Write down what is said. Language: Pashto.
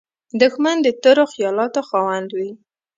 دښمن د تورو خیالاتو خاوند وي